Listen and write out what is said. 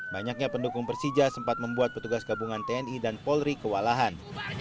banyaknya pendukung persija sempat membuat petugas gabungan tni dan polri kewalahan